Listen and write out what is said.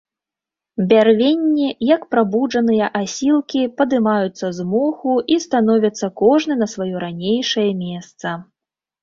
Бярвенні, як прабуджаныя асілкі, падымаюцца з моху і становяцца кожны на сваё ранейшае месца.